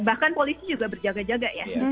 bahkan polisi juga berjaga jaga ya